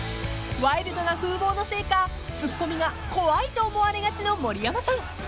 ［ワイルドな風貌のせいかツッコミが怖いと思われがちの盛山さん］